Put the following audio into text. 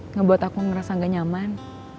ngebuat aku ngerasa gak nyaman